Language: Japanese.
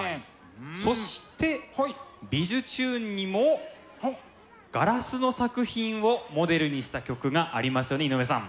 そして「びじゅチューン！」にもガラスの作品をモデルにした曲がありますよね井上さん。